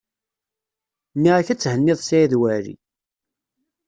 Nniɣ-ak ad thenniḍ Saɛid Waɛli.